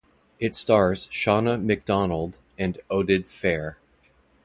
It stars Shauna Macdonald and Oded Fehr.